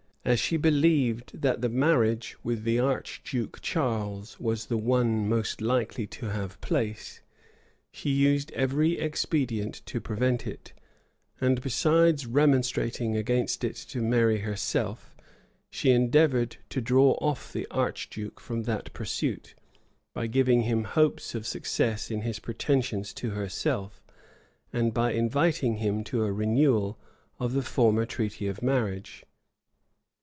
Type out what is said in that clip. [*] As she believed that the marriage with the archduke Charles was the one most likely to have place, she used every expedient to prevent it; and besides remonstrating against it to Mary herself, she endeavored to draw off the archduke from that pursuit, by giving him some hopes of success in his pretensions to herself, and by inviting him to a renewal of the former treaty of marriage.